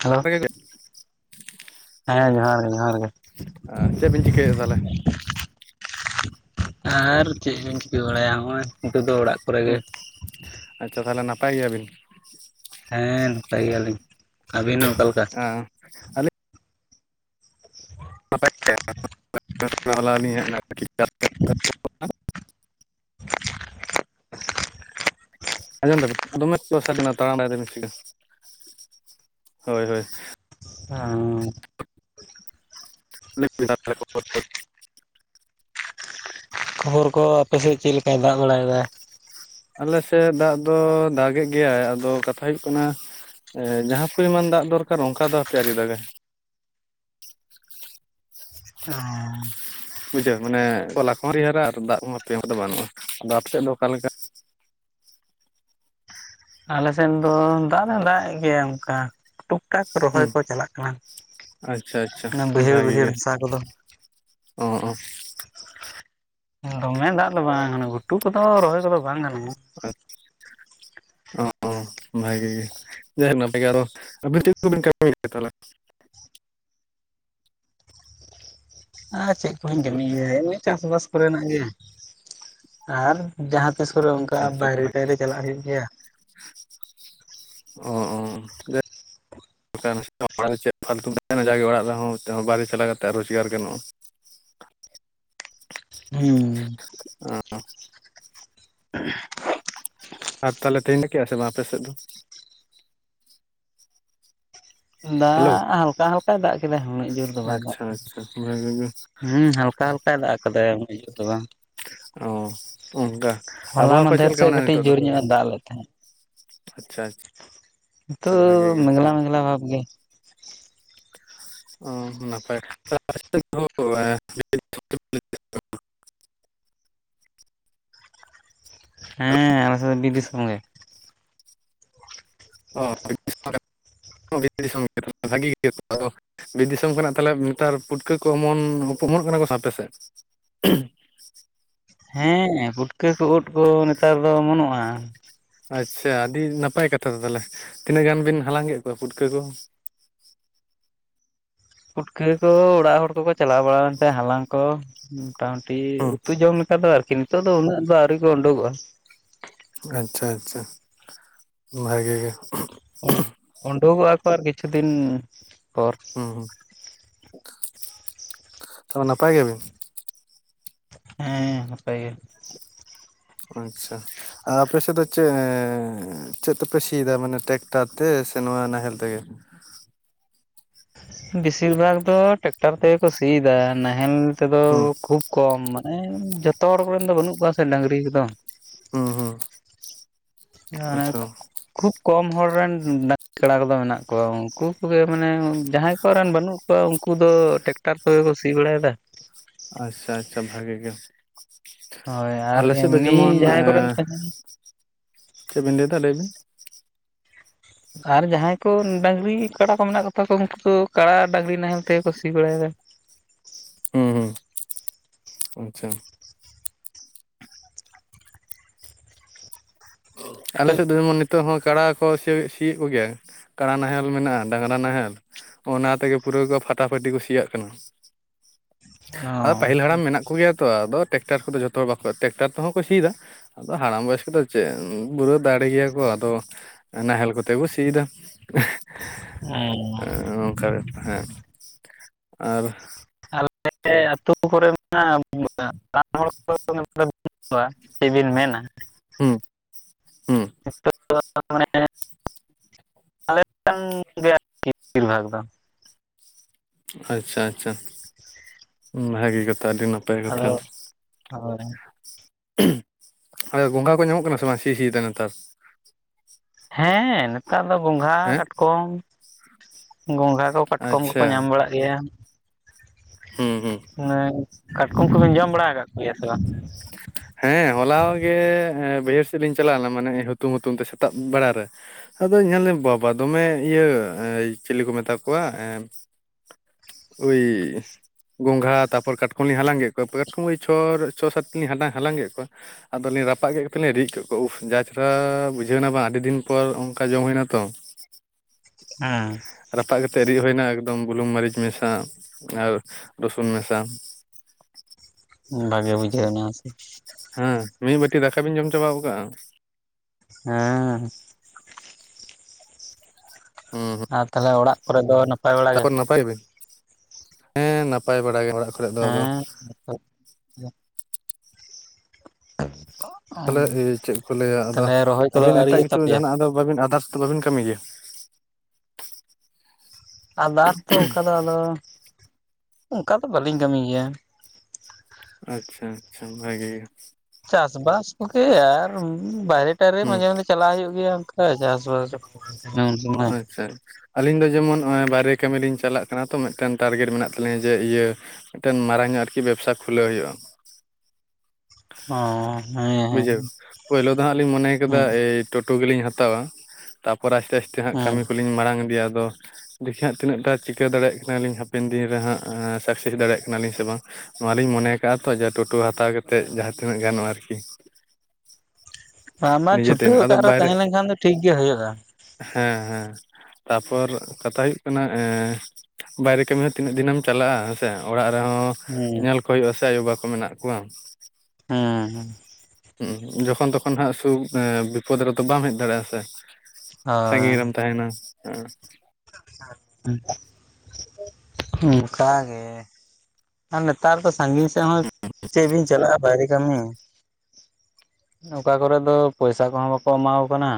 Hello ᱦᱮᱸ ᱡᱚᱦᱟᱨ ᱜᱮ ᱡᱚᱦᱟᱨ ᱜᱮ᱾ ᱪᱮᱫ ᱵᱤᱱ? ᱪᱤᱠᱟᱹᱭ ᱫᱟ ᱛᱟᱞᱮ? ᱟᱨ ᱪᱮᱫ ᱵᱤᱱ ᱪᱤᱠᱟᱹ ᱵᱟᱲᱟᱭᱟ ᱱᱚᱜᱼᱚᱭ ᱱᱤᱛᱚᱜ ᱫᱚ ᱚᱲᱟᱜ᱾ ᱠᱚᱨᱮ ᱜᱮ ᱦᱩᱸ ᱟᱪᱷᱟ ᱛᱟᱦᱚᱞᱮ ᱱᱟᱯᱟᱭ ᱜᱮᱭᱟᱵᱤᱱ? ᱦᱮᱸ ᱱᱟᱯᱟᱭ ᱜᱮᱭᱟᱞᱤᱧ ᱟᱹᱵᱤᱱ ᱦᱚᱸ᱾ ᱚᱠᱟ ᱞᱮᱠᱟ [unintelligible] [unintelligible] [inaudible] ᱟᱡᱚᱢᱫᱟ ᱫᱚᱢᱮ ᱡᱳᱨ ᱥᱟᱰᱮ [inaudible] ᱦᱳᱭ ᱦᱳᱭ᱾ [unintelligible] [inaudible] ᱠᱷᱚᱵᱚᱨ ᱠᱚ ᱟᱯᱮᱥᱮᱜ ᱪᱮᱫ ᱞᱮᱠᱟᱭ ᱫᱟᱜ ᱵᱟᱲᱟᱭᱮᱫᱟ ᱾ ᱟᱞᱮᱥᱮ ᱫᱟᱜ ᱫᱚ ᱫᱟᱜ ᱜᱮ ᱜᱮᱭᱟᱭ ᱟᱫᱚ ᱠᱟᱛᱷᱟ ᱦᱩᱭᱩᱜ ᱠᱟᱱᱟ᱾ ᱮ ᱡᱟᱦᱟᱸ ᱯᱚᱨᱤᱢᱟᱱ ᱫᱟᱜ ᱫᱚᱨᱠᱟᱨ ᱚᱝᱠᱟ ᱫᱚ ᱦᱟᱯᱮ ᱟᱣᱨᱤ ᱫᱟᱜᱟᱭ᱾ ᱚᱸ ᱵᱩᱡᱷᱟᱹᱣ ᱢᱟᱱᱮ ᱛᱚᱞᱟ ᱠᱚᱦᱚᱸ ᱟᱹᱣᱨᱤ ᱮᱨᱟ ᱟᱨ ᱫᱟᱜ ᱦᱚᱸ ᱟᱯᱮ ᱦᱚᱸ ᱵᱟᱹᱱᱩᱜᱼᱟ ᱾ ᱟᱫᱚ ᱟᱯᱮᱥᱮᱫ ᱫᱚ ᱚᱠᱟᱞᱮᱠᱟ? ᱟᱞᱮᱥᱮᱱ ᱫᱚ ᱫᱟᱜ ᱫᱚ ᱫᱟᱜ ᱮ ᱜᱮᱭᱟ ᱚᱝᱠᱟ ᱴᱩᱠ᱾ ᱴᱟᱠ ᱨᱚᱦᱚᱭ ᱦᱩᱸ ᱠᱚ ᱪᱟᱞᱟᱜ ᱠᱟᱱᱟ ᱟᱪᱪᱷᱟ ᱟᱪᱪᱷᱟ ᱾ ᱚᱱᱟ ᱵᱟᱹᱭᱦᱟᱹᱲ ᱵᱟᱹᱭᱦᱟᱹᱲ ᱦᱟᱥᱟ ᱠᱚᱫᱚ᱾ ᱚᱸ ᱚᱸ᱾ ᱫᱚᱢᱮ ᱫᱟᱜ ᱫᱚ ᱵᱟᱝ ᱚᱱᱟ ᱜᱷᱩᱴᱩ ᱠᱚᱫᱚ ᱨᱚᱦᱚᱭ ᱠᱚᱫᱚ ᱵᱟᱝ ᱜᱟᱱᱚᱜᱼᱟ ᱾ [inaudible] ᱚ ᱵᱷᱟᱜᱤ ᱜᱮ᱾ [inaudible] ᱱᱟᱯᱟᱭ ᱜᱮ ᱟᱨᱚ ᱟᱹᱵᱤᱱ ᱪᱮᱫ ᱠᱚᱵᱤᱱ ᱠᱟᱹᱢᱤᱭ ᱫᱟ ᱛᱟᱦᱚᱞᱮ? ᱟᱨ ᱪᱮᱫ ᱠᱚᱦᱚᱧ ᱠᱟᱹᱢ ᱜᱮᱭᱟ ᱤᱱᱟᱹ ᱪᱟᱥᱵᱟᱥ ᱠᱚᱨᱮᱱᱟᱜ ᱜᱮ ᱟᱨ ᱡᱟᱦᱟᱸ᱾ ᱛᱮᱥ ᱠᱚᱨᱮ ᱚᱝᱠᱟ ᱵᱟᱭᱨᱮ ᱴᱟᱭᱨᱮ ᱪᱟᱞᱟᱜ ᱦᱩᱭᱩᱜ ᱜᱮᱭᱟ ᱾ ᱚᱸ ᱚᱸ᱾ [unintelligible] ᱪᱮᱫ ᱯᱷᱟᱞᱛᱩᱢ ᱛᱟᱦᱮᱱᱟ ᱡᱟᱜᱮ ᱚᱲᱟᱜ ᱨᱮᱦᱚᱸ ᱵᱟᱭᱨᱮ ᱪᱟᱞᱟᱣ ᱠᱟᱛᱮᱫ ᱨᱳᱡᱽᱜᱟᱨ ᱜᱟᱱᱚᱜᱼᱟ ᱾ ᱦᱩᱸ᱾ ᱚᱸ᱾ [unintelligible] ᱟᱨ ᱛᱟᱦᱚᱞᱮ ᱛᱮᱦᱮᱧ [inaudible] ᱥᱮ ᱵᱟᱝ ᱟᱯᱮ ᱥᱮᱫ ᱫᱚ? ᱦᱮᱞᱳ ᱫᱟᱜ ᱦᱟᱞᱠᱟ ᱦᱟᱞ᱾ ᱠᱟᱭ ᱫᱟᱜ ᱠᱮᱫᱟ ᱩᱱᱟᱹᱜ ᱡᱳᱨ ᱫᱚ ᱵᱟᱭ ᱫᱟᱜ ᱟᱪᱪᱷᱟ ᱠᱮᱫᱟ ᱟᱪᱪᱷᱟ ᱵᱷᱟᱜᱮ ᱜᱮ ᱦᱚᱸ ᱦᱟᱞᱠᱟ ᱦᱟᱞᱠᱟ᱾ ᱫᱟᱜ ᱠᱟᱫᱟ ᱩᱱᱟᱹᱜ ᱡᱳᱨ ᱫᱚ ᱵᱟᱝ᱾ ᱚᱸ ᱚᱝᱠᱟ᱾ ᱦᱚᱞᱟ ᱢᱟᱦᱫᱷᱮᱨ ᱥᱮᱜ ᱠᱟᱹᱴᱤᱡ ᱡᱳᱨ ᱧᱚᱜ ᱮ ᱫᱟᱜ ᱞᱮᱫ ᱛᱟᱦᱮᱸᱜ᱾ ᱟᱪᱷᱟ ᱾ ᱱᱤᱛᱳ ᱫᱚ ᱢᱮᱜᱷᱞᱟ ᱢᱮᱜᱷᱞᱟ ᱵᱷᱟᱵᱽ ᱜᱮ᱾ ᱚ ᱱᱟᱯᱟᱭ ᱠᱟᱛᱷᱟ [inaudible] ᱦᱮᱸ ᱟᱞᱮ ᱥᱮᱫ ᱫᱚ ᱵᱤᱨᱫᱤᱥᱚᱢ ᱜᱮ᱾ ᱚ ᱵᱷᱟᱜᱤ ᱜᱮ [inaudible] ᱵᱤᱨ ᱫᱤᱥᱚᱢ ᱠᱷᱚᱱᱟᱜ ᱛᱟᱦᱚᱞᱮ ᱱᱮᱛᱟᱨ ᱯᱩᱴᱠᱟᱹ ᱠᱚ ᱚᱢᱚᱱ ᱚᱢᱚᱱᱚᱜ ᱠᱟᱱᱟ ᱠᱚ ᱥᱮ ᱵᱟᱝ ᱟᱯᱮ ᱥᱮᱫ? ᱦᱮᱸ ᱯᱩᱴᱠᱟᱹ ᱠᱚ ᱳᱫ ᱠᱚ ᱱᱮᱛᱟᱨ ᱫᱚ ᱚᱢᱚᱱᱚᱜᱼᱟ᱾ ᱟᱪᱷᱟ ᱟᱹᱰᱤ ᱱᱟᱯᱟᱭ ᱠᱟᱛᱷᱟ ᱫᱚ ᱛᱟᱦᱞᱮ᱾ ᱛᱤᱱᱟᱹᱜ ᱜᱟᱱ ᱵᱤᱱ ᱦᱟᱞᱟᱝ ᱠᱮᱫ ᱠᱚᱣᱟ ᱯᱩᱴᱠᱟᱹ ᱠᱚ? ᱯᱩᱴᱠᱟᱹ ᱠᱚ ᱚᱲᱟᱜ ᱦᱚᱲ ᱠᱚᱠᱚ ᱪᱟᱞᱟᱣ ᱵᱟᱲᱟ ᱞᱮᱱ ᱛᱟᱦᱮᱸ ᱦᱟᱞᱟᱝ ᱠᱚ᱾ ᱢᱚᱴᱟᱢᱩᱴᱤ ᱦᱚᱸ ᱩᱛᱩ ᱡᱚᱢ ᱞᱮᱠᱟ ᱫᱚ ᱟᱨᱠᱤ ᱱᱤᱛᱚᱜ ᱫᱚ ᱩᱱᱟᱹᱜ ᱫᱚ ᱟᱹᱣᱨᱤ ᱠᱚ ᱳᱸᱰᱳᱜᱚᱜᱼᱟ᱾ ᱟᱪᱷᱟ ᱟᱪᱷᱟ ᱵᱷᱟᱜᱮ ᱜᱮ᱾ ᱳᱸᱰᱳᱠᱚᱜ ᱟᱠᱚ ᱟᱨ ᱠᱤᱪᱷᱩ ᱫᱤᱱ ᱯᱚᱨ᱾ ᱦᱩᱸ ᱱᱟᱯᱟᱭ ᱜᱮᱭᱟ ᱵᱤᱱ? ᱦᱮᱸ ᱱᱟᱯᱟᱭ ᱜᱮ᱾ ᱚ ᱟᱪᱷᱟ᱾ ᱟᱯᱮ ᱥᱮᱫ ᱫᱚ ᱪᱮᱜ ᱪᱮᱫ ᱛᱮᱯᱮ ᱥᱤᱭᱫᱟ ᱢᱟᱱᱮ ᱴᱮᱠᱴᱟᱨ ᱛᱮ ᱥᱮ ᱱᱚᱣᱟ ᱱᱟᱦᱮᱞ ᱛᱮᱜᱮ᱾ ᱵᱤᱥᱤᱨ ᱵᱷᱟᱜᱽ ᱫᱚ ᱴᱮᱠᱴᱟᱨ ᱛᱮᱜᱮᱠᱚ ᱥᱤᱭᱫᱟ ᱱᱟᱦᱮᱞ ᱛᱮᱫᱚ ᱦᱩᱸ ᱠᱷᱩᱵᱽ᱾ ᱠᱚᱢ ᱢᱟᱱᱮ ᱡᱚᱛᱚ ᱦᱚᱲ ᱠᱚᱨᱮᱱ ᱫᱚ ᱵᱟᱹᱱᱩᱜ ᱠᱚᱣᱟ ᱥᱮ ᱰᱟᱹᱝᱨᱤ ᱠᱚᱫᱚ᱾ ᱦᱩᱸ ᱦᱩᱸ᱾ ᱦᱟᱱ ᱟᱪᱪᱷᱟ [inaudible] ᱠᱷᱩᱵᱽ ᱠᱚᱢ ᱦᱚᱲ ᱨᱮᱱ ᱰᱟᱹᱝᱨᱤ ᱠᱟᱲᱟ ᱠᱚᱫᱚ ᱢᱮᱱᱟᱜ ᱠᱚᱣᱟ ᱩᱝᱠᱩ ᱠᱚᱜᱮ ᱢᱟᱱᱮ ᱡᱟᱦᱟᱸᱭ ᱠᱚᱨᱮᱱ ᱵᱟᱹᱱᱩᱜ? ᱠᱚᱣᱟ ᱩᱝᱠᱩ ᱫᱚ ᱴᱮᱠᱴᱟᱨ ᱠᱚᱜᱮ ᱠᱚ ᱥᱤ ᱵᱟᱲᱟᱭᱮᱫᱟ᱾ ᱟᱪᱷᱟ ᱟᱪᱷᱟ ᱵᱷᱟᱜᱮ ᱜᱮ᱾ ᱦᱳᱭ ᱟᱨ ᱟᱞᱮ ᱥᱮᱫ ᱫᱚ ᱮᱢᱱᱤ ᱡᱮᱢᱚᱱ ᱡᱟᱦᱟᱸᱭ ᱠᱚᱨᱮᱱ ᱛᱟᱦᱮᱱ᱾ ᱪᱮᱜᱵᱤᱱ ᱞᱟᱹᱭᱫᱟ ᱞᱟᱹᱭᱵᱤᱱ? ᱟᱨ ᱡᱟᱦᱟᱸᱭ ᱠᱚ ᱰᱟᱹᱝᱨᱤ ᱠᱟᱲᱟ ᱠᱚ ᱢᱮᱱᱟᱜ ᱠᱚᱛᱟ ᱠᱚᱣᱟ ᱩᱱᱠᱩ ᱫᱚ ᱠᱟᱲᱟ ᱰᱟᱹᱝᱨᱤ ᱱᱟᱦᱮᱞ ᱛᱮᱠᱚ ᱥᱤ ᱵᱟᱲᱟᱭᱫᱟ᱾ ᱦᱩᱸ ᱦᱩᱸ ᱟᱪᱷᱟ᱾ ᱟᱞᱮ ᱥᱮᱫ ᱫᱚ ᱡᱮᱢᱚᱱ ᱱᱤᱛᱚᱜ ᱦᱚᱸ᱾ ᱠᱟᱲᱟ ᱠᱚ ᱥᱤᱣᱮᱜ ᱥᱤᱭᱮᱜ ᱠᱚᱜᱮᱭᱟ ᱠᱟᱲᱟ ᱱᱟᱦᱮᱞ ᱢᱮᱱᱟᱜᱼᱟ ᱰᱟᱝᱨᱟ ᱱᱟᱦᱮᱞ᱾ ᱚᱱᱟ ᱛᱮᱜᱮ ᱯᱩᱨᱟᱹ ᱠᱚ ᱯᱷᱟᱴᱟᱯᱷᱟᱴᱤ ᱠᱚ ᱥᱤᱭᱟᱜ ᱠᱟᱱᱟ᱾ ᱚ ᱟᱫᱚ ᱯᱟᱹᱦᱤᱞ ᱦᱟᱲᱟᱢ ᱢᱮᱱᱟᱜ ᱠᱚᱜᱮᱭᱟ ᱛᱚ ᱟᱫᱚ᱾ ᱴᱮᱠᱴᱟᱨ ᱠᱚᱫᱚ ᱡᱷᱚᱛᱚ ᱦᱚᱲ ᱵᱟᱠᱚ ᱴᱮᱠᱴᱟᱨ ᱛᱮᱦᱚᱸ ᱠᱚ ᱥᱤᱭᱮᱫᱟ ᱟᱫᱚ ᱦᱟᱲᱟᱢ ᱵᱚᱭᱚᱥ ᱠᱚᱫᱚ᱾ ᱪᱮᱜ ᱯᱩᱨᱟᱹ ᱫᱟᱲᱮ ᱜᱮᱭᱟ ᱠᱚ ᱟᱫᱚ ᱱᱟᱦᱮᱞ ᱠᱚᱛᱮ ᱠᱚ ᱥᱤᱭᱫᱟ᱾ ᱚᱝᱠᱟ ᱵᱮᱯᱟᱨ [inaudible] ᱦᱮᱸ ᱟᱨ᱾ ᱟᱞᱮ ᱟᱹᱛᱩ ᱠᱚᱨᱮ ᱢᱮᱱᱟᱜᱼᱟ ᱵᱚᱸᱜᱟ [inaudible] ᱠᱟᱹᱢᱤᱦᱚᱲ [inaudible] ᱠᱚᱫᱚ [inaudible] ᱵᱟᱹᱱᱩᱜ [inaudible] ᱠᱚᱣᱟ [inaudible] ᱪᱮᱜ ᱵᱤᱱ ᱢᱮᱱᱟ᱾ ᱦᱩᱸ ᱦᱩᱸ ᱾ [unintelligible] ᱟᱞᱮᱨᱮᱱ ᱜᱮ ᱟᱨᱠᱤ ᱵᱤᱥᱤᱨ ᱵᱷᱟᱜᱽ ᱫᱚ ᱾ ᱟᱪᱪᱷᱟ ᱟᱪᱪᱷᱟ ᱾ [inaudible] ᱵᱷᱟᱜᱮ ᱠᱟᱛᱷᱟ ᱟᱹᱰᱤ ᱱᱟᱯᱟᱭ ᱠᱟᱛᱷᱟ ᱾ ᱟᱹᱣᱨᱤ [inaudible] ᱦᱚᱭ ᱜᱚᱸᱜᱷᱟ ᱠᱚ ᱧᱟᱢᱚᱜ ᱠᱟᱱᱟ ᱥᱮ ᱵᱟᱝ ᱥᱤ ᱥᱤ ᱛᱮ ᱱᱮᱛᱟᱨ? ᱦᱮᱸ ᱱᱮᱛᱟᱨ ᱫᱚ ᱜᱚᱸᱜᱷᱟ ᱦᱮᱸ ᱠᱟᱴᱠᱚᱢ [inaudible] ᱜᱚᱸᱜᱷᱟ ᱠᱚ ᱠᱟᱴᱠᱚᱢ ᱠᱚᱠᱚ ᱟᱪᱪᱷᱟ ᱧᱟᱢ ᱵᱟᱲᱟᱜ ᱜᱮᱭᱟ ᱾ ᱦᱮᱸ ᱦ [inaudible] ᱠᱟᱴᱠᱚᱢ ᱠᱚᱵᱤᱱ ᱡᱚᱢ ᱵᱟᱲᱟ ᱟᱠᱟᱜ ᱠᱚᱜᱮᱭᱟ ᱥᱮ ᱵᱟᱝ? ᱦᱮᱸ ᱦᱚᱞᱟᱣ ᱜᱮ ᱵᱟᱹᱭᱦᱟᱹᱲ ᱥᱮᱫ ᱞᱤᱧ ᱪᱟᱞᱟᱣ ᱞᱮᱱᱟ ᱢᱟᱱᱮ ᱦᱩᱛᱩᱢ ᱦᱩᱛᱩᱢ ᱛᱮ ᱥᱮᱛᱟᱜ ᱵᱮᱲᱟ ᱨᱮ ᱟᱫᱚ [unintelligible] ᱵᱟᱵᱟ ᱫᱚᱢᱮ ᱤᱭᱟᱹ ᱪᱤᱞᱤ ᱠᱚ ᱢᱮᱛᱟ ᱠᱚᱣᱟ ᱮᱸ ᱳᱭ ᱜᱚᱸᱜᱷᱟ ᱛᱟᱨᱯᱚᱨ ᱠᱟᱴᱠᱚᱢ ᱞᱤᱧ ᱦᱟᱞᱟᱝ ᱠᱮᱫ ᱠᱚᱣᱟ, ᱠᱟᱴᱠᱚᱢ ᱪᱷᱚ ᱪᱷᱚ ᱥᱟᱛᱴᱤ ᱞᱤᱧ ᱦᱟᱞᱟᱝ ᱦᱟᱞᱟᱝ ᱠᱮᱫ ᱠᱚᱣᱟ᱾ ᱟᱫᱚ ᱞᱤᱧ ᱨᱟᱯᱟᱜ ᱠᱮᱫ ᱠᱚᱫ ᱛᱮ ᱞᱤᱧ ᱨᱤᱫ ᱠᱮᱫ ᱠᱚᱣᱟ, ᱩᱦ ᱡᱟ ᱪᱮᱦᱨᱟ ᱵᱩᱡᱷᱟᱹᱣᱱᱟ ᱵᱟᱝ ᱟᱹᱰᱤ ᱫᱤᱱ ᱯᱚᱨ ᱚᱱᱠᱟ ᱡᱚᱢ ᱦᱩᱭ ᱮᱱᱟ ᱛᱚ ᱾ [inaudible] ᱟᱸ ᱾ ᱨᱟᱯᱟᱜ ᱠᱟᱛᱮ ᱨᱤᱫ ᱦᱩᱭ ᱮᱱᱟ ᱮᱠᱫᱚᱢ ᱵᱩᱞᱩᱝ ᱢᱟᱹᱨᱤᱪ ᱢᱮᱥᱟ ᱟᱨ ᱨᱚᱥᱩᱱ ᱢᱮᱥᱟ᱾ ᱵᱷᱟᱜᱮ ᱵᱩᱡᱷᱟᱹᱣ ᱮᱱᱟ ᱦᱮᱸ ᱥᱮ᱾ ᱦᱮᱸ ᱢᱤᱫ ᱵᱟᱹᱴᱤ ᱫᱟᱠᱟ ᱵᱤᱱ ᱡᱚᱢ ᱪᱟᱵᱟᱜᱚᱜ ᱠᱟᱜ-ᱟ ᱾ ᱦᱮᱸᱻ ᱦᱩᱸ ᱟᱨ ᱛᱟᱦᱚᱞᱮ ᱚᱲᱟᱜ ᱠᱚᱨᱮ ᱫᱚ ᱱᱟᱯ [unintelligible] ᱦᱮᱸ ᱱᱟᱯᱟᱭ ᱵᱟᱲᱟ ᱜᱮ ᱚᱲᱟᱜ ᱠᱚᱨᱮ ᱫᱚ ᱟᱫᱚ ᱦᱮᱸ [inaudible] ᱛᱟᱦᱚᱞᱮ ᱪᱮᱫ ᱠᱚ ᱞᱟᱹᱭᱟ ᱟᱫᱚ ᱛᱟᱦᱚᱞᱮ ᱨᱚᱦᱚᱭ ᱠᱚᱫᱚ ᱟᱹᱵᱤᱱ ᱮᱴᱟᱜ ᱟᱹᱣᱨᱤᱭᱟ ᱠᱤᱪᱷᱩ ᱛᱟᱯᱮᱭᱟ ᱡᱟᱦᱟᱱᱟᱜ ᱟᱫᱚ ᱵᱟᱵᱤᱱ ᱟᱫᱟᱨᱥ ᱫᱚ ᱵᱟᱹᱵᱤᱱ ᱠᱟᱹᱢᱤ ᱜᱮᱭᱟ? ᱟᱫᱟᱨ ᱛᱚ ᱚᱱᱠᱟ ᱫᱚ ᱟᱫᱚ [inaudible] ᱚᱱᱠᱟ ᱫᱚ ᱵᱟᱹᱞᱤᱧ ᱠᱟᱹᱢᱤ ᱜᱮᱭᱟ᱾ ᱟᱪᱪᱷᱟ ᱟᱪᱪᱷᱟ ᱵᱷᱟᱜᱮ ᱜᱮ᱾ ᱪᱟᱥ-ᱵᱟᱥ ᱠᱚᱜᱮ ᱟᱨ ᱵᱟᱦᱨᱮ ᱴᱟᱭᱨᱮ ᱦᱩᱸ ᱢᱟᱡᱷᱮ ᱢᱚᱫᱽᱷᱮ ᱪᱟᱞᱟᱜ ᱦᱩᱭᱩᱜ ᱜᱮᱭᱟ ᱚᱱᱠᱟ ᱪᱟᱥ-ᱵᱟᱥ ᱡᱚᱠᱷ ᱦᱟᱱᱮ ᱩᱱ ᱥᱚᱢᱚᱡ ᱟᱪᱪᱷᱟ ᱟᱪᱪᱷᱟ ᱾ ᱟᱹᱞᱤᱧ ᱫᱚ ᱡᱮᱢᱚᱱ ᱵᱟᱭᱨᱮ ᱠᱟᱹᱢᱤ ᱞᱤᱧ ᱪᱟᱞᱟᱜ ᱠᱟᱱᱟ ᱛᱚ ᱢᱤᱫᱴᱮᱱ ᱴᱟᱨᱜᱮᱴ ᱢᱮᱱᱟᱜ ᱛᱟᱹᱞᱤᱧᱟ ᱡᱮ ᱤᱭᱟᱹ ᱢᱤᱫᱴᱮᱱ ᱢᱟᱨᱟᱝ ᱧᱚᱜ ᱟᱨᱠᱤ ᱵᱮᱵᱽᱥᱟ ᱠᱷᱩᱞᱟᱹᱣ ᱦᱩᱭᱩᱜ-ᱟ᱾ ᱚᱸᱻ ᱵᱩᱡᱷᱟᱹᱣ ᱾ ᱯᱳᱭᱞᱳ ᱫᱚ ᱦᱟᱸᱜ ᱞᱤᱧ ᱢᱚᱱᱮᱭ ᱟᱠᱟᱫᱟ ᱦᱮᱸ ᱮᱭ ᱴᱳᱴᱳ ᱜᱮᱞᱤᱧ ᱦᱟᱛᱟᱣᱟ, ᱛᱟᱨᱯᱚᱨ ᱟᱥᱛᱮ ᱟᱥ ᱛᱮ ᱦᱟᱸᱜ ᱦᱮᱸ ᱠᱟᱹᱢᱤ ᱠᱚᱞᱤᱧ ᱢᱟᱲᱟᱝ ᱤᱫᱤᱭᱟ᱾ ᱟᱫᱚ ᱫᱮᱠᱷᱮ ᱦᱟᱸᱜ ᱛᱤᱱᱟᱹᱜ ᱴᱟ ᱪᱤᱠᱟᱹ ᱫᱟᱲᱮᱭᱟᱜ ᱠᱟᱱᱟᱞᱤᱧ ᱦᱟᱯᱮᱱ ᱫᱤᱱ ᱨᱮ ᱦᱟᱸᱜ ᱥᱟᱠᱥᱮᱥ ᱫᱟᱲᱮᱭᱟᱜ ᱠᱟᱱᱟᱞᱤᱧ ᱥᱮ ᱵᱟᱝ᱾ ᱱᱚᱣᱟ ᱞᱤᱧ ᱢᱚᱱᱮ ᱟᱠᱟᱫ-ᱟ ᱛᱚ ᱡᱮ ᱴᱳᱴᱳ ᱦᱟᱛᱟᱣ ᱠᱟᱛᱮᱫ ᱡᱟᱦᱟᱸ ᱛᱤᱱᱟᱹᱜ ᱜᱟᱱᱚᱜ-ᱟ ᱟᱨᱠᱤ᱾ ᱵᱟᱝ ᱢᱟ ᱱᱤᱡᱮ ᱛᱮ ᱪᱷᱩᱴᱟᱹᱣ ᱟᱫᱚ ᱠᱟᱫ ᱨᱮᱦᱚᱸ ᱵᱟᱭᱨᱮ ᱛᱟᱦᱮᱸ ᱞᱮᱱᱠᱷᱟᱱ ᱫᱚ ᱴᱷᱤᱠ ᱜᱮ ᱦᱩᱭᱩᱜ-ᱟ᱾ ᱦᱮᱸ ᱦᱮᱸ ᱾ [inaudible] ᱛᱟᱯᱚᱨ ᱠᱟᱛᱷᱟ ᱦᱩᱭᱩᱜ ᱠᱟᱱᱟ ᱮᱸᱻ ᱵᱟᱭᱨᱮ ᱠᱟᱹᱢᱤ ᱦᱚᱸ ᱛᱤᱱᱟᱹᱜ ᱫᱤᱱ ᱮᱢ ᱪᱟᱞᱟᱜ-ᱟ ᱦᱮᱸᱥᱮ, ᱚᱲᱟᱜ ᱨᱮᱦᱚᱸ ᱦᱮᱸ ᱧᱮᱞ ᱠᱚ ᱦᱩᱭᱩᱜ-ᱟ ᱥᱮ ᱟᱭᱳ-ᱵᱟ ᱠᱚ ᱢᱮᱱᱟᱜ ᱠᱚᱣᱟ᱾ ᱦᱮᱸ ᱦᱮᱸ ᱾ ᱦᱮᱸ, ᱡᱚᱠᱷᱚᱱ ᱛᱚᱠᱷᱚᱱ ᱦᱟᱸᱜ ᱥᱩᱠ ᱵᱤᱯᱚᱫ ᱨᱮᱫᱚ ᱵᱟᱢ ᱦᱮᱡ ᱫᱟᱲᱮᱭᱟᱜ-ᱟ ᱥᱮ ᱾ [inaudible] ᱥᱟᱺᱜᱤᱧ ᱨᱮᱢ ᱦᱳᱭ ᱛᱟᱦᱮᱸᱱᱟ, ᱦᱮᱸ ᱾ [inaudible] ᱚᱱᱠᱟ ᱜᱮ᱾ ᱟᱨ ᱱᱮᱛᱟᱨ ᱫᱚ ᱥᱟᱹᱜᱤᱧ ᱥᱮᱫ ᱦᱚᱸ ᱪᱮᱫ ᱵᱤᱱ ᱪᱟᱞᱟᱜᱼᱟ ᱵᱟᱭᱨᱮ ᱠᱟᱹᱢᱤ, ᱚᱠᱟ ᱠᱚᱨᱮ ᱫᱚ ᱯᱚᱭᱥᱟ ᱠᱚᱦᱚᱸ ᱵᱟᱠᱚ ᱮᱢᱟᱣ ᱟᱠᱚ ᱠᱟᱱᱟ᱾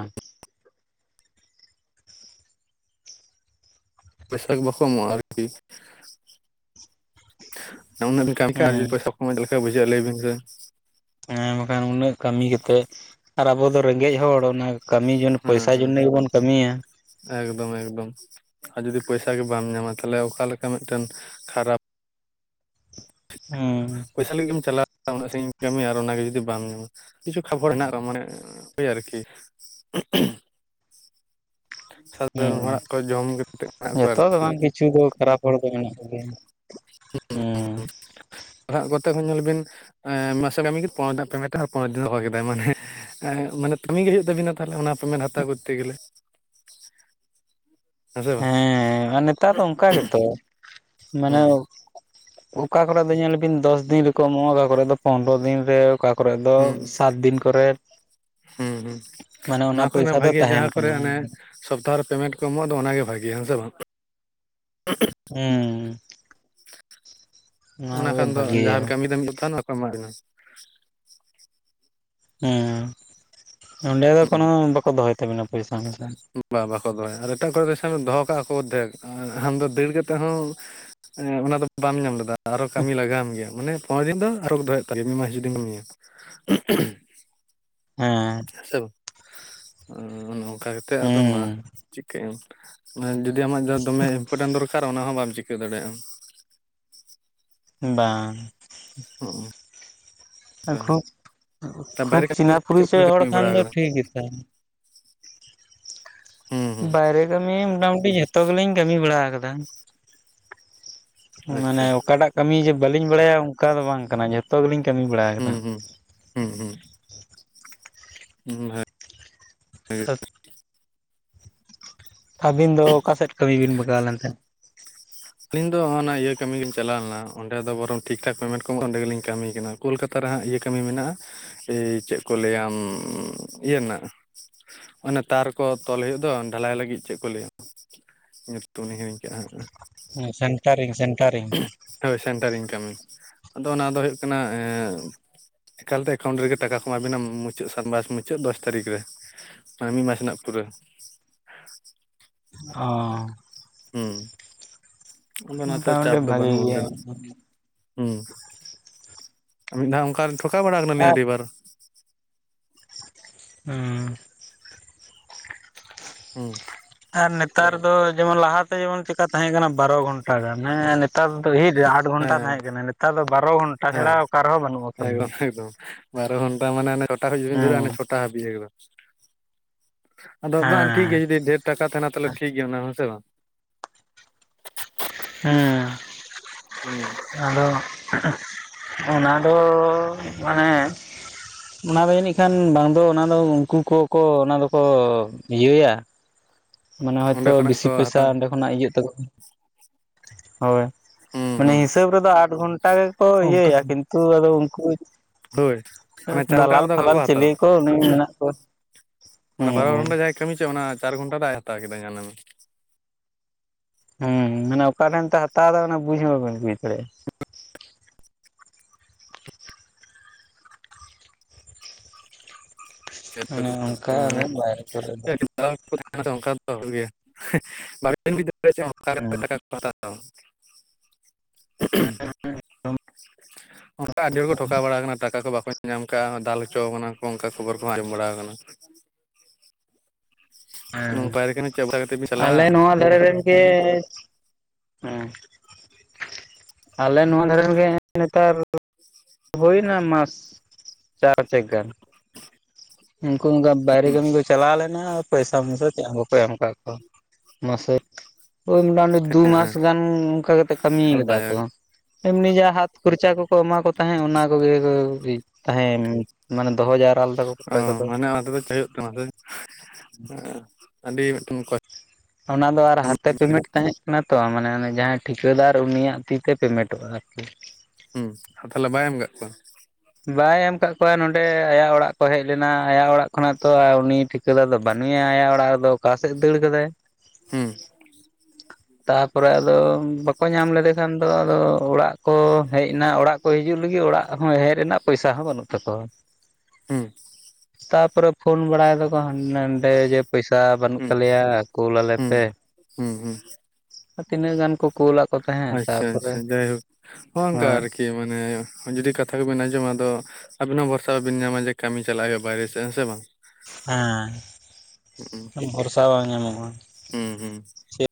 ᱯᱚᱭᱥᱟᱹ ᱵᱟᱠᱚ ᱮᱢᱚᱜ-ᱟ ᱟᱨ ᱠᱤ ᱟᱨ ᱩᱱᱟᱹᱜ ᱵᱤᱱ ᱠᱟᱹᱢᱤ ᱦᱮᱸ ᱠᱟᱭᱟ ᱯᱚᱭᱥᱟᱹ [inaudible] ᱢᱚᱡᱽ ᱞᱮᱠᱟ ᱵᱩᱡᱷᱟᱹᱜᱼᱟ ᱞᱟᱹᱭ ᱵᱤᱱ ᱥᱮ᱾ ᱦᱮᱸ ᱵᱟᱠᱷᱟᱱ ᱩᱱᱟᱹᱜ ᱠᱟᱹᱢᱤ ᱠᱟᱛᱮᱜ, ᱟᱨ ᱟᱵᱚ ᱫᱚ ᱨᱮᱸᱜᱮᱡ ᱦᱚᱲ, ᱚᱱᱟ ᱠᱟᱹᱢᱤ ᱡᱚᱱ ᱦᱮᱸ ᱯᱚᱭᱥᱟᱹ ᱦᱮᱸ ᱡᱚᱱᱱᱮ ᱜᱮ ᱵᱚᱱ ᱠᱟᱹᱢᱤᱭᱟ᱾ ᱮᱠᱫᱚᱢ ᱮᱠᱫᱚᱢ, ᱟᱨ ᱡᱩᱫᱤ ᱯᱚᱭᱥᱟᱹ ᱜᱮ ᱵᱟᱢ ᱧᱟᱢᱟ, ᱛᱟᱦᱚᱞᱮ ᱚᱠᱟ ᱞᱮᱠᱟ ᱢᱤᱫᱴᱮᱱ ᱠᱷᱟᱨᱟᱯ, ᱦᱩᱸ ᱯᱚᱭᱥᱟᱹ ᱞᱟᱹᱜᱤᱫ ᱮᱢ ᱪᱟᱞᱟ [inaudible] ᱩᱱᱟᱹᱜ ᱥᱟᱹᱜᱤᱧ ᱠᱟᱹᱢᱤ ᱟᱨ ᱚᱱᱟ ᱜᱮ ᱡᱩᱫᱤ ᱵᱟᱢ ᱧᱟᱢᱟ᱾ ᱠᱤᱪᱷᱩ ᱠᱷᱚᱵᱚᱨ [unintelligible] ᱦᱮᱱᱟᱜ ᱨᱮ ᱢᱟᱱᱮ ᱳᱭ ᱟᱨᱠᱤ᱾ ᱥᱟᱫᱷᱟᱨᱚᱱ ᱦᱮᱸ ᱦᱚᱲᱟᱜ ᱠᱚ ᱡᱚᱢ ᱠᱟᱛᱮᱫ ᱢᱮᱱᱟᱜ ᱠᱚᱣᱟ ᱟᱨᱠᱤ᱾ ᱪᱩ ᱠᱚ ᱠᱷᱟᱨᱟᱯ, ᱦᱚᱲ ᱠᱚ ᱢᱮᱱᱟᱜ ᱠᱚ ᱜᱮᱭᱟ ᱾ ᱦᱩᱸ ᱦᱩᱸ ᱦᱩᱸ ᱱᱟᱜ [inaudible] ᱠᱚᱛᱮ ᱦᱚᱸ ᱧᱮᱞ ᱵᱤᱱ᱾ ᱮ ᱢᱟᱥᱮ ᱠᱟᱹᱢᱤ ᱠᱟᱛᱮ ᱯᱚᱱᱮᱨ ᱯᱮᱢᱮᱱᱴ ᱟᱨ ᱯᱚᱨᱮᱨ ᱫᱤᱱ ᱫᱚᱦᱚ ᱠᱮᱫᱟᱭ ᱢᱟᱱᱮ ᱮ ᱢᱟᱱᱮ ᱠᱟᱹᱢᱤ ᱜᱮ ᱦᱩᱭᱩᱜ ᱛᱟᱵᱤᱱᱟ, ᱛᱟᱦᱞᱮ ᱚᱱᱟ ᱯᱮᱢᱮᱱᱴ ᱦᱟᱛᱟᱣ ᱠᱚᱨᱛᱮ ᱜᱮᱞᱮ᱾ ᱦᱮᱸ ᱥᱮ ᱵᱟᱝ ᱦᱮᱸ, ᱟᱨ ᱱᱮᱛᱟᱨ ᱫᱚ ᱚᱱᱠᱟ ᱜᱮᱛᱚ ᱢᱟᱱᱮ ᱦᱩᱸ ᱚᱠᱟ ᱠᱚᱨᱮ ᱫᱚ ᱧᱮᱞ ᱵᱤᱱ ᱫᱚᱥ ᱫᱤᱱ ᱨᱮᱠᱚ ᱮᱢᱚᱜ-ᱟ, ᱚᱠᱟ ᱠᱚᱨᱮ ᱫᱚ ᱯᱚᱱᱨᱚ ᱫᱤᱱ ᱨᱮ ᱚᱠᱟ ᱠᱚᱨᱮ ᱫᱚ ᱦᱩᱸ ᱥᱟᱛ ᱫᱤᱱ ᱠᱚᱨᱮᱜ᱾ ᱦᱩᱸ ᱦᱩᱸ, ᱱᱚᱣᱟ ᱠᱷᱚᱱᱟᱜ ᱯᱚᱭᱥᱟ ᱫᱚ ᱵᱷᱟᱜᱮ ᱛᱟᱦᱮᱱ ᱡᱟᱦᱟᱸ ᱠᱚᱨᱮ ᱠᱟᱱᱟ ᱦᱩᱸ ᱚᱱᱮ ᱥᱚᱯᱛᱟᱦᱚ ᱨᱮ ᱯᱮᱢᱮᱱᱴ ᱠᱚ ᱮᱢᱚᱜ ᱫᱚ ᱚᱱᱟᱜᱮ ᱵᱷᱟᱜᱤᱭᱟ ᱦᱮ ᱥᱮ ᱵᱟᱝ᱾ ᱦᱩᱸᱻ ᱚᱱᱟ ᱠᱷᱟᱱ ᱫᱚ ᱡᱟᱦᱱᱸ ᱵᱷᱟᱜᱮᱭᱟ ᱠᱟᱹᱢᱤ ᱨᱮᱢ ᱡᱛᱟᱣ ᱱᱟ ᱢᱤᱫ [unintelligible] ᱮᱢᱟ ᱫᱤᱧ ᱦᱩᱸ ᱚᱸᱰᱮ ᱫᱚ ᱠᱳᱱᱳ ᱵᱟᱠᱚ ᱫᱚᱦᱚᱭ ᱛᱟᱵᱤᱱᱟ ᱯᱚᱭᱥᱟ ᱦᱮᱸᱥᱮ, ᱵᱟ-ᱵᱟᱠᱚ ᱫᱚᱦᱚᱭᱟ, ᱟᱨ ᱮᱴᱟᱜ ᱠᱚᱨᱮ ᱫᱚ ᱥᱮ ᱫᱚᱦᱚ ᱠᱟᱜ-ᱟ ᱠᱚ ᱚᱫᱷᱮᱠ ᱟᱢᱫᱚ ᱫᱟᱹᱲ ᱠᱟᱛᱮᱫ ᱦᱚᱸ ᱚᱱᱟ ᱫᱚ ᱵᱟᱢ ᱧᱟᱢ ᱞᱮᱫᱟ᱾ ᱟᱨᱚ ᱠᱟᱹᱢᱤ ᱞᱟᱜᱟᱣᱟᱢ ᱜᱮᱭᱟ, ᱢᱟᱱᱮ ᱯᱚ ᱫᱤᱱ ᱫᱚ ᱟᱨᱚ ᱫᱚᱦᱚᱭ ᱦᱩᱭᱩᱜ ᱛᱟᱞᱮᱭᱟ ᱢᱤᱫ ᱢᱟᱥ ᱡᱩᱫᱤᱢ ᱠᱟᱹᱢᱤᱭᱟ᱾ ᱦᱮᱸ, ᱦᱮᱸ ᱥᱮ ᱵᱟᱝ, ᱚᱱᱮ ᱚᱱᱠᱟ ᱠᱟᱛᱮ ᱟᱫᱚ ᱢᱟ ᱦᱩᱸ ᱪᱤᱠᱟᱹᱭ ᱟᱨ ᱡᱩ ᱡᱩᱫᱤ ᱟᱢᱟᱜ ᱡᱟ ᱫᱚᱢᱮ ᱤᱢᱯᱚᱴᱮᱱᱴ ᱫᱚᱨᱠᱟᱨ, ᱚᱱᱟ ᱦᱚᱸ ᱵᱟᱢ ᱪᱤᱠᱟᱹ ᱫᱟᱲᱮᱭᱟᱜ-ᱟ᱾ ᱵᱟᱝ, ᱦᱚᱜ-ᱚ, ᱠᱷᱩᱵ, ᱛᱟ ᱠᱷᱩᱵ ᱵᱟᱭᱨᱮ ᱠᱟᱹᱢᱤ ᱨᱮ ᱪᱮᱫ ᱠᱚᱵᱤᱱ ᱪᱤᱱᱟᱯᱩᱨᱤᱪᱚᱭ ᱦᱚᱲ ᱠᱟᱹᱢᱤ ᱠᱷᱟᱱ ᱵᱟᱲᱟ ᱫᱚ ᱟᱠᱟᱫᱟ ᱴᱷᱤᱠ ᱜᱮᱛᱟ ᱦᱩᱸ ᱦᱩᱸ ᱵᱟᱭᱨᱮ ᱠᱟᱹᱢᱤ, ᱢᱚᱴᱟᱢᱩᱴᱤ ᱡᱷᱚᱛᱚ ᱜᱮᱞᱤᱧ ᱠᱟᱹᱢᱤ ᱵᱟᱲᱟ ᱟᱠᱟᱫᱟ᱾ ᱢᱟᱱᱮ ᱟᱪᱪᱷᱟ ᱚᱠᱟᱴᱟᱜ ᱠᱟᱹᱢᱤ ᱡᱮ ᱵᱟᱹᱞᱤᱧ ᱵᱟᱲᱟᱭᱟ, ᱚᱱᱠᱟ ᱫᱚ ᱵᱟᱝ ᱠᱟᱱᱟ᱾ ᱡᱚᱛᱚ ᱜᱮᱞᱤᱧ ᱠᱟᱹᱢᱤ ᱵᱟᱲᱟ ᱟᱠᱟᱫᱟ᱾ ᱦᱩᱸ ᱦᱩᱸ ᱦᱩᱸ, ᱦᱩᱸ, ᱦᱩᱸ, ᱦᱮ [unintelligible] ᱟᱹᱵᱤᱱ ᱫᱚ ᱚᱠᱟᱥᱮᱫ ᱠᱟᱹᱢᱤ ᱵᱤᱱ ᱵᱟᱜᱟᱣ ᱞᱮᱱ ᱛᱮ? ᱟᱞᱤᱧ ᱫᱚ ᱦᱚᱼᱚᱱᱟ ᱤᱭᱟᱹ ᱠᱟᱹᱢᱤ ᱞᱤᱧ ᱪᱟᱞᱟᱣ ᱞᱮᱱᱟ, ᱚᱸᱰᱮ ᱫᱚ ᱵᱚᱨᱚᱝ ᱴᱷᱤᱠ ᱴᱷᱟᱠ ᱯᱮᱢᱮᱱᱴ ᱠᱚ ᱮᱢ ᱚᱸᱰᱮ ᱜᱮᱞᱤᱧ ᱠᱟᱹᱢᱤ ᱠᱟᱱᱟ᱾ ᱠᱳᱞᱠᱟᱛᱟ ᱨᱮ ᱦᱟᱸᱜ ᱤᱭᱟᱹ ᱠᱟᱹᱢᱤ ᱢᱮᱱᱟᱜ-ᱟ, ᱮᱤ ᱪᱮᱫ ᱠᱚ ᱞᱟᱹᱭᱟᱢ ᱤᱭᱟᱹ ᱨᱮᱱᱟᱜ ᱚᱱᱮ ᱛᱟᱨ ᱠᱚ ᱛᱚᱞ ᱦᱩᱭᱩᱜ ᱫᱚ ᱰᱷᱟᱞᱟᱭ ᱞᱟᱹᱜᱤᱫ, ᱪᱮᱫ ᱠᱚ ᱞᱟᱹᱭᱟ᱾ ᱧᱩᱛᱩᱢ ᱤᱧ ᱦᱤᱲᱤᱧ ᱠᱮᱼᱟ ᱦᱟᱜ, ᱥᱮᱱᱴᱟᱨᱤᱧ, ᱥᱮᱱᱴᱟᱨᱤᱧ᱾ ᱦᱳᱭ, ᱥᱮᱱᱴᱟᱨᱤᱧ ᱠᱟᱹᱢᱤ, ᱟᱫᱚ ᱚᱱᱟ ᱫᱚ ᱦᱩᱭᱩᱜ ᱠᱟᱱᱟ ᱮᱠᱟᱞ ᱛᱮ ᱮᱠᱟᱣᱩᱱᱴ ᱨᱮᱜᱮ ᱴᱟᱠᱟ ᱠᱚ ᱮᱢᱟᱵᱤᱱᱟ ᱢᱩᱪᱟᱹᱫ ᱥᱟᱱᱵᱟᱥ ᱢᱩᱪᱟᱹᱫ ᱫᱚᱥ ᱛᱟᱹᱨᱤᱠᱷ ᱨᱮ᱾ ᱢᱤᱫ ᱢᱟᱥ ᱨᱮᱱᱟᱜ ᱯᱩᱨᱟᱹ᱾ ᱚ ᱦᱩᱸ ᱚᱱᱟᱫᱚ ᱱᱟᱛᱮ ᱢᱚᱴᱟᱢᱩᱴᱤ ᱪᱟᱯ ᱫᱚ ᱵᱷᱟᱜᱤ ᱵᱟᱹᱱᱩᱜ-ᱟ ᱜᱮᱭᱟ ᱚᱸᱰᱮᱱᱟᱜ᱾ ᱦᱩᱸ ᱢᱤᱫ ᱫᱷᱟᱣ ᱚᱱᱠᱟ ᱴᱷᱚᱠᱟᱣ ᱵᱟᱲᱟ ᱠᱟᱱᱟᱞᱤᱧ ᱟᱨ ᱟᱹᱰᱤᱵᱟᱨ᱾ ᱦᱩᱸᱻ ᱦᱩᱸ ᱟᱨ ᱱᱮᱛᱟᱨ ᱫᱚ ᱡᱮᱢᱚᱱ ᱞᱟᱦᱟᱛᱮ ᱡᱮᱢᱚᱱ ᱪᱮᱠᱟ ᱛᱟᱦᱮᱸ ᱠᱟᱱᱟ ᱵᱟᱨᱚ ᱜᱷᱚᱱᱴᱟ ᱜᱟᱱ ᱦᱮ ᱱᱮᱛᱟᱨ ᱫᱚ ᱦᱤᱴ ᱟᱴ ᱜᱷᱚᱱᱴᱟ ᱦᱮᱸ ᱛᱟᱦᱮᱸ ᱠᱟᱱᱟ ᱱᱮᱛᱟᱨ ᱫᱚ ᱵᱟᱨᱚ ᱜᱷᱚᱱᱴᱟ ᱦᱮᱸ ᱪᱷᱟᱲᱟ ᱚᱠᱟ ᱨᱮᱦᱚᱸ ᱵᱟᱹᱱᱩᱜ ᱟᱠᱟᱫᱟ᱾ ᱮᱠᱫᱚᱢ ᱮᱠᱫᱚᱢ᱾ ᱵᱟᱨᱚ ᱜᱷᱚᱱᱴᱟ ᱢᱟᱱᱮ ᱚᱱᱮ ᱪᱷᱚᱴᱟ ᱠᱷᱚᱡ ᱵᱤᱱ ᱫᱷᱩᱨᱟᱹᱜ-ᱟ ᱢᱟᱱᱮ ᱦᱮᱸ ᱪᱷᱚᱴ ᱱᱚᱴᱟ ᱦᱟᱹᱵᱤᱡ ᱮᱠᱫᱚᱢ, ᱟᱫᱚ ᱵᱟᱝ ᱴᱷᱤᱠ ᱜᱮᱭᱟ ᱦᱮᱸ ᱡᱩᱫᱤ ᱰᱷᱮᱨ ᱴᱟᱠᱟ ᱛᱟᱦᱮᱱᱟ ᱛᱟᱦᱚᱞᱮ ᱴᱷᱤᱠ ᱜᱮᱭᱟ ᱚᱱᱟ ᱦᱮᱸᱥᱮ ᱵᱟᱝ? ᱦᱩᱸ ᱦᱩᱸ ᱟᱫᱚ ᱚᱱᱟᱫᱚ ᱢᱟᱱᱮ [unintelligible] ᱚᱱᱟᱫᱚ ᱡᱟᱹᱱᱤᱡ ᱠᱷᱟᱱ ᱵᱟᱝ ᱫᱚ ᱚᱱᱟ ᱫᱚ ᱩᱱᱠᱩ ᱠᱚᱠᱚ ᱚᱱᱟ ᱫᱚᱠᱚ ᱤᱭᱟᱹᱭᱟ᱾ ᱢᱟᱱᱮ ᱦᱳᱭᱛᱚ ᱚᱸᱰᱮ ᱠᱷᱚᱱᱟᱜ ᱵᱮᱥᱤ ᱠᱚ ᱦᱟᱛᱟᱣ ᱯᱚᱭᱥᱟ ᱚᱸᱰᱮ ᱠᱷᱚᱱᱟᱜ ᱤᱭᱟᱹᱜ ᱛᱟᱠᱚ, ᱦᱳᱭ᱾ ᱦᱩᱸ ᱢᱟᱱᱮ ᱦᱩᱸ ᱦᱤᱥᱟᱹᱵ ᱨᱮᱫᱚ ᱟᱴ ᱜᱷᱚᱱᱴᱟ ᱜᱮᱠᱚ ᱚᱱᱠᱟ ᱤᱭᱟᱹᱭᱟ ᱠᱤᱱᱛᱩ ᱟᱫᱚ ᱩᱱᱠᱩ ᱦᱳᱭ ᱢᱟᱱᱮ [inaudible] ᱫᱟᱞᱟᱞ ᱫᱚ ᱵᱟᱠᱚ ᱯᱷᱟᱞᱟᱞ ᱦᱟᱛᱟᱣᱟ᱾ ᱪᱤᱞᱤ ᱠᱚ ᱩᱱᱤ ᱢᱮᱱᱟᱜ ᱠᱚᱣᱟ ᱢᱟᱱᱮ ᱦᱩᱸ ᱵᱟᱨᱚ ᱦᱩᱸ ᱜᱷᱚᱱᱴᱟ ᱡᱟᱦᱟᱸᱟᱭ ᱠᱟᱹᱢᱤ ᱪᱭ ᱚᱱᱟ ᱪᱟᱨ ᱜᱷᱚᱱᱴᱟ ᱫᱚ ᱟᱡ ᱮ ᱦᱟᱛᱟᱣ ᱠᱮᱫᱟ ᱧᱮᱞᱮᱢ᱾ ᱦᱩᱸ ᱢᱟᱱᱮ ᱚᱠᱟ ᱴᱷᱮᱱ ᱛᱮ ᱦᱟᱛᱟᱣ ᱮᱫᱟ ᱚᱱᱟ ᱵᱩᱡ ᱦᱚᱸ ᱵᱟᱵᱮᱱ ᱵᱩᱡ ᱫᱟᱲᱮᱭᱟᱜᱼᱟ᱾ ᱚᱱᱮ ᱚᱱᱠᱟ ᱟᱫᱚ ᱵᱟᱭᱨᱮ ᱠᱚᱨᱮ ᱫᱚ [unintelligible] [unintelligible] ᱚ [unintelligible] ᱚᱱᱠᱟ ᱟᱹᱰᱤ ᱦᱚᱲ ᱠᱚ ᱴᱷᱚᱠᱟᱣ ᱵᱟᱲᱟ ᱟᱠᱟᱱᱟ᱾ ᱴᱟᱠᱟ ᱠᱚ ᱵᱟᱠᱚ ᱧᱟᱢ ᱠᱟᱜᱼᱟ ᱫᱟᱞ ᱦᱚᱪᱚ ᱠᱟᱱᱟ ᱠᱚ ᱚᱱᱠᱟ ᱠᱷᱚᱵᱚᱨ ᱠᱚᱦᱚᱸ ᱟᱸᱡᱚᱢ ᱵᱟᱲᱟ ᱟᱠᱟᱱᱟ᱾ ᱦᱮᱸ, ᱯᱟᱭᱨᱟ ᱠᱟᱱᱟ ᱪᱮᱫ ᱵᱟᱲᱟ ᱠᱟᱛᱮᱫ ᱵᱤᱱ ᱪᱟᱞᱟᱜᱼᱟ ᱟᱞᱮ ᱱᱚᱣᱟ ᱫᱷᱟᱨᱮ ᱨᱮᱱ ᱜᱮ ᱦᱮᱸ ᱟᱞᱮ ᱱᱚᱣᱟ ᱫᱷᱟᱨᱮ ᱨᱮᱱ ᱜᱮ ᱱᱮᱛᱟᱨ ᱦᱩᱭᱱᱟ ᱢᱟᱥ ᱪᱟᱨ ᱪᱮᱠ ᱜᱟᱱ᱾ ᱩᱱᱠᱩ ᱚᱱᱠᱟ ᱵᱟᱭᱨᱮ ᱠᱟᱹᱢᱤ ᱠᱚ ᱪᱟᱞᱟᱣ ᱞᱮᱱᱟ ᱯᱚᱭᱥᱟ ᱢᱚᱭᱥᱟ ᱪᱮᱫ ᱦᱸ ᱵᱟᱠ ᱠᱚ ᱮᱢ ᱠᱟᱜ ᱠᱚᱣᱟ ᱢᱟᱥᱮ ᱳᱭ ᱢᱚᱴᱟᱢᱩᱴᱤ ᱫᱩᱢᱟᱥ ᱦᱮᱸ ᱜᱟᱱ ᱚᱱᱠᱟ ᱠᱟᱛᱮᱜ ᱠᱟᱹᱢᱤ ᱦᱮᱸ ᱟᱠᱟᱫᱟ ᱫᱟᱭᱟ ᱠᱚ᱾ ᱮᱢᱱᱤ ᱡᱟᱸᱦᱟ ᱦᱟᱛ ᱠᱷᱚᱨᱪᱟ ᱠᱚᱠᱚ ᱮᱢᱟ ᱠᱚ ᱛᱟᱦᱮᱸᱫ ᱚᱱᱟ ᱠᱚᱜᱮ ᱠᱚ ᱛᱟᱦᱮᱱ ᱢᱟᱱᱮ ᱫᱚᱦᱚ ᱡᱟᱨᱣᱟ ᱞᱮᱫᱟ ᱠᱚ ᱚ ᱚᱠᱚᱭ ᱠᱚᱫᱚ ᱢᱟᱱᱮ ᱚᱱᱟ ᱛᱮᱫᱚ [unintelligible] ᱠᱟᱱᱟ ᱥᱮ ᱟᱹᱰᱤ ᱢᱤᱫᱴᱮᱱ ᱠᱚ ᱚᱱᱟ ᱫᱚ ᱟᱨ ᱦᱟᱛᱮ ᱯᱮᱢᱮᱱᱴ ᱛᱟᱸᱦᱮᱸᱫ ᱚᱱᱟᱮ ᱛᱚ ᱢᱟᱱᱮ ᱚᱱᱮ ᱡᱟᱦᱟᱸᱭ ᱴᱷᱤᱠᱟᱹᱫᱟᱨ ᱩᱱᱤᱭᱟᱜ ᱛᱤ ᱛᱮ ᱯᱮᱢᱮᱱᱴᱚᱜᱼᱟ ᱟᱨᱠᱤ᱾ ᱦᱩᱸ ᱟᱨ ᱛᱟᱦᱚᱞᱮ ᱵᱟᱭ ᱮᱢ ᱟᱠᱟᱫ ᱠᱚᱣᱟ? ᱵᱟᱭ ᱮᱢ ᱟᱠᱟᱫ ᱠᱚᱣᱟ ᱱᱚᱰᱮ ᱟᱭᱟᱜ ᱚᱲᱟᱜ ᱠᱚ ᱦᱮᱡ ᱞᱮᱱᱟ ᱟᱭᱟᱜ ᱚᱲᱟᱜ ᱠᱷᱚᱱᱟᱜ ᱛᱚ ᱩᱱᱤ ᱴᱷᱤᱠ ᱮᱠᱞᱟ ᱫᱚ ᱵᱟᱹᱱᱩᱭᱟ ᱟᱭᱟᱜ ᱚᱲᱟᱜ ᱨᱮᱫᱚ ᱚᱠᱟ ᱥᱮᱫ ᱮ ᱫᱟᱹᱲ ᱠᱟᱫᱟᱭ᱾ ᱦᱩᱸ ᱛᱟᱯᱚᱨᱮ ᱟᱫᱚ ᱵᱟᱠᱚ ᱧᱟᱢ ᱞᱮᱫᱮ ᱠᱷᱟᱱ ᱫᱚ ᱟᱫᱚ ᱚᱲᱟᱜ ᱠᱚ ᱦᱮᱡ ᱮᱱᱟ ᱚᱲᱟᱜ ᱠᱚ ᱦᱤᱡᱩᱜ ᱞᱟᱹᱜᱤᱫ ᱚᱲᱟᱜ ᱦᱚᱸ ᱦᱮᱡ ᱨᱮᱱᱟᱜ ᱯᱚᱭᱥᱟ ᱦᱚᱸ ᱵᱟᱹᱱᱩᱜ ᱛᱟᱠᱚᱣᱟ᱾ ᱦᱩᱸ᱾ ᱛᱟᱯᱚᱨᱮ ᱯᱷᱳᱱ ᱵᱟᱲᱟᱭ ᱫᱟᱠᱚ ᱦᱟᱸᱰᱮ ᱱᱚᱰᱮ ᱡᱮ ᱯᱚᱭᱥᱟ ᱵᱟᱹᱱᱩᱜ ᱦᱩᱸ ᱛᱟᱞᱮᱭᱟ ᱠᱩᱞ ᱦᱩᱸ ᱟᱞᱮᱯᱮ᱾ ᱦᱩᱸ ᱦᱩᱸ᱾ ᱟᱨ ᱛᱤᱱᱟᱹᱜ ᱜᱟᱱ ᱠᱚ ᱠᱩᱞ ᱟᱫ᱾ ᱟᱪᱷᱟ ᱟᱪᱷᱟ ᱡᱟᱭᱦᱳᱠ ᱱᱚᱝᱠᱟ ᱦᱳᱭ ᱟᱨᱠᱤ ᱢᱟᱱᱮ ᱡᱩᱫᱤ ᱠᱟᱛᱷᱟ ᱠᱚᱵᱮᱱ ᱟᱸᱡᱚᱢᱟ ᱟᱫᱚ᱾ ᱟᱵᱤᱱ ᱦᱚᱸ ᱵᱷᱚᱨᱥᱟ ᱵᱟᱤᱱ ᱧᱟᱢᱟ ᱡᱮ ᱠᱟᱹᱢᱤ ᱪᱟᱞᱟᱜ ᱦᱩᱭᱩᱟ ᱵᱟᱭᱨᱮ ᱥᱮᱱ ᱦᱮᱸ ᱥᱮ ᱵᱟᱝ᱾ ᱦᱮᱸ ᱵᱷᱚᱨᱥᱟ ᱵᱟᱝ ᱧᱟᱢᱚᱜᱼᱟ᱾ ᱦᱩᱸ ᱦᱩᱸ᱾